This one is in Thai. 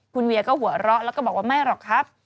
คุณเวียก็หัวเราะแล้วก็บอกว่าไม่หรอกครับ